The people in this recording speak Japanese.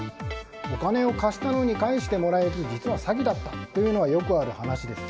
お金を貸したのに返してもらえず詐欺だったというのはよくある話です。